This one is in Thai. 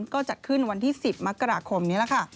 ก็จัดขึ้นวันที่๑๐มกราคมนี้แหละค่ะ